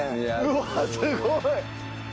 うわすごい！